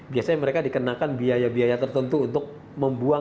biasanya mereka dikenakan biaya biaya tertentu untuk membuang